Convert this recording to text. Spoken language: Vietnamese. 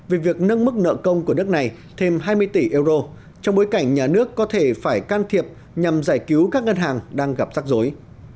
về việc nâng mức nợ công của đất này thêm hai mươi tỷ euro trong bối cảnh nhà nước có thể phải can thiệp nhằm giải cứu các ngân hàng đang gặp rắc rối